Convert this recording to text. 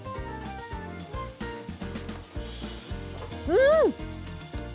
うん！